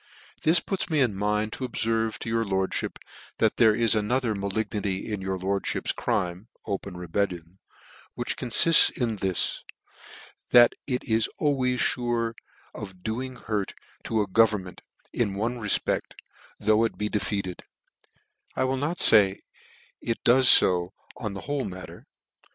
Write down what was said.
"This puts me in .mind to obferve to your lordfhip, that there is another malignity in your lordfhip's crime, (open rebellion) which* confifts in this, that it is always fure of doing hurt to a government, in one refpect, though it be defeated t (I will not fay it does fo on the whole matter).